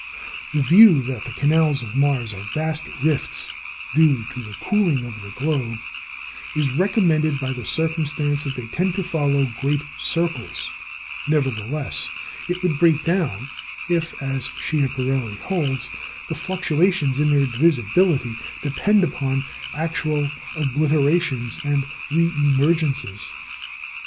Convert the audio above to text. The view that the canals of Mars are vast rifts due to the cooling of the globe, is recommended by the circumstance that they tend to follow great circles; nevertheless, it would break down if, as Schiaparelli holds, the fluctuations in their visibility depend upon actual obliterations and re emergencies.